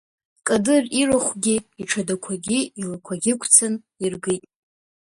Кадыр ирахәгьы, иҽадақәагьы, илақәагьы ықәцан иргит.